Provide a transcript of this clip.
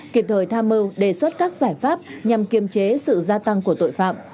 kịp thời tha mưu đề xuất các giải pháp nhằm kiêm chế sự gia tăng của tội phạm